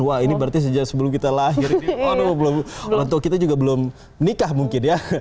wah ini berarti sejak sebelum kita lahir oh no belum untuk kita juga belum nikah mungkin ya